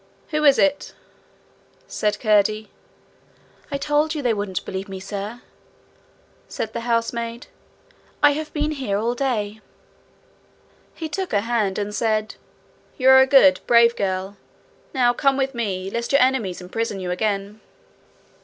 'Who is it?' said Curdie. 'I told you they wouldn't believe me, sir,' said the housemaid. 'I have been here all day.' He took her hand, and said, 'You are a good, brave girl. Now come with me, lest your enemies imprison you again.'